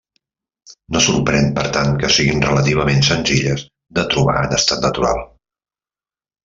No sorprèn per tant que siguin relativament senzilles de trobar en estat natural.